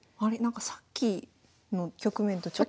さっきの局面とちょっと。